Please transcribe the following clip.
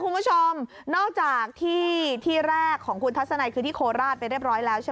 คุณผู้ชมนอกจากที่เรียกของคุณทัศนายที่โคราชไปเรียบร้อยแล้ว